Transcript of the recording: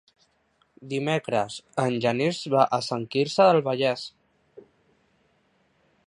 Dimecres en Genís va a Sant Quirze del Vallès.